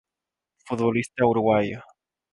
Futbolista Uruguayo.